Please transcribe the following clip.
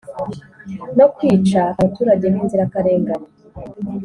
no kwica abaturage b'inzirakarengane.